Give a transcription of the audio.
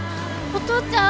お父ちゃん！